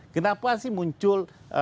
kenapa sih muncul sekarang